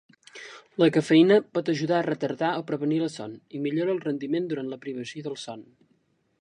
La cafeïna pot ajudar a retardar o prevenir la son, i millora el rendiment durant la privació del son.